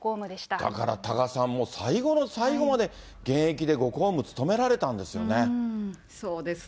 だから多賀さん、もう最後の最後まで、現役でご公務務められたんですよね。